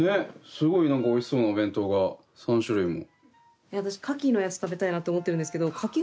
すごいなんかおいしそうなお弁当が３種類も。